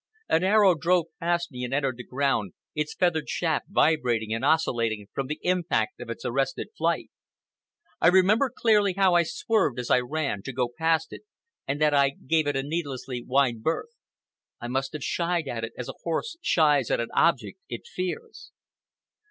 An arrow drove past me and entered the ground, its feathered shaft vibrating and oscillating from the impact of its arrested flight. I remember clearly how I swerved as I ran, to go past it, and that I gave it a needlessly wide berth. I must have shied at it as a horse shies at an object it fears.